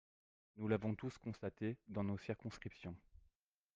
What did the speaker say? Nous l’avons tous constaté dans nos circonscriptions.